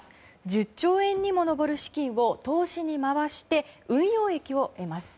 １０兆円にも上る資金を投資に回して運用益を得ます。